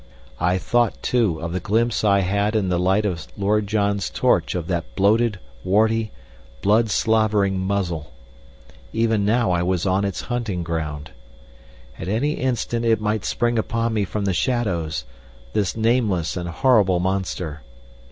I thought, too, of the glimpse I had in the light of Lord John's torch of that bloated, warty, blood slavering muzzle. Even now I was on its hunting ground. At any instant it might spring upon me from the shadows this nameless and horrible monster.